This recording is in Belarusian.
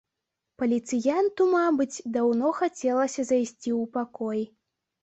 Паліцыянту, мабыць, даўно хацелася зайсці ў пакой.